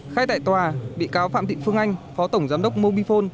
khai tại tòa bị cáo phạm thị phương anh phó tổng giám đốc mobile phone